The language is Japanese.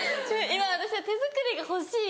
今私は手作りが欲しい。